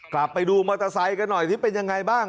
กลับไปดูมอเตอร์ไซค์กันหน่อยซิเป็นยังไงบ้าง